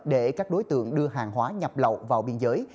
để các đối tượng đưa hàng hóa nhập lậu vào biên giới